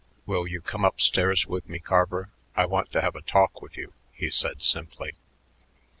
"Will you come up stairs with me, Carver? I want to have a talk with you," he said simply.